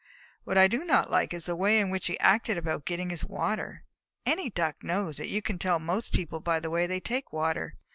What I do not like is the way in which he acted about getting his water. Any Duck knows that you can tell most about people by the way they take water.